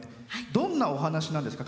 どんなお話なんですか？